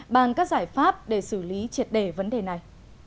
bàn các giải pháp để xử lý triệt đề vấn đề này